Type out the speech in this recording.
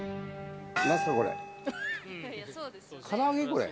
これ。